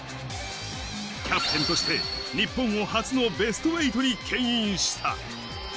キャプテンとして日本を初のベスト８にけん引した。